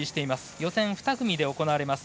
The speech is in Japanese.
予選２組で行われます。